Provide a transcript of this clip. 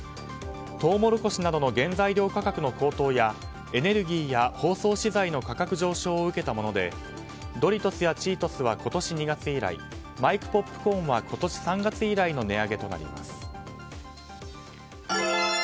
トウモロコシなどの原材料価格の高騰やエネルギーや包装資材の価格上昇を受けたものでドリトスやチートスは今年２月以来マイクポップコーンは今年３月以来の値上げとなります。